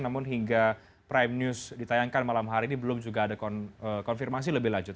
namun hingga prime news ditayangkan malam hari ini belum juga ada konfirmasi lebih lanjut